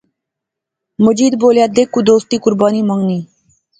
مجید بولیا، دیکھ دوستی قربانی منگنی